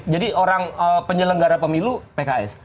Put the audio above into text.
jadi orang penyelenggara pemilu pks